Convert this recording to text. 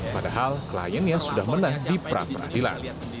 padahal kliennya sudah menang di pra peradilan